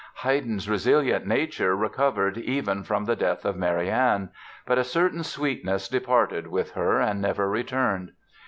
Haydn's resilient nature recovered even from the death of Marianne. But a certain sweetness departed with her and never returned.